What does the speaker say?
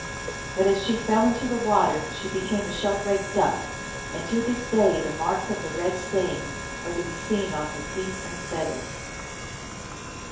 But as she fell into the water she became a sheldrake duck. And to this day the marks of the red stain are to be seen on her feet and feathers.